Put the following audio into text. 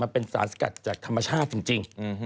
มันเป็นสารสกัดจากธรรมชาติจริง